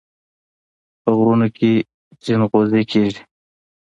په غرونو کې ځنغوزي کیږي.